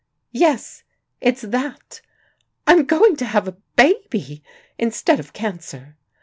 Yes: it's that. I'm going to have a baby, instead of cancer.